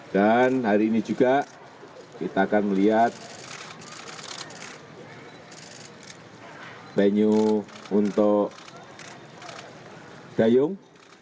dan hari ini juga kita akan melihat venue untuk dayung